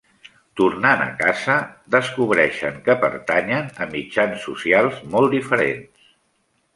Tornant a casa, descobreixen que pertanyen a mitjans socials molt diferents.